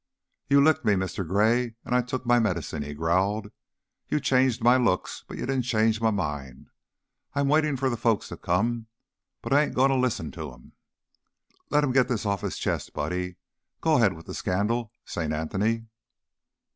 "You licked me, Mr. Gray, an' I took my medicine," he growled. "You changed my looks, but you didn't change my mind. I'm waitin' for the folks to come, but I ain't goin' to listen to 'em." "Let him get this off his chest, Buddy. Go ahead with the scandal, Saint Anthony."